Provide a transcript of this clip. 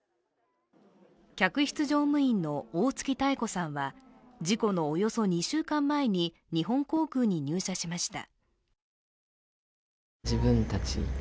客室乗務員の大槻妙子さんは事故のおよそ２週間前に日本航空に入社しました。